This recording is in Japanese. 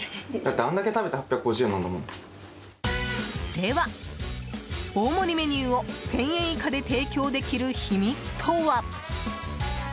では、大盛りメニューを１０００円以下で提供できる秘密とは？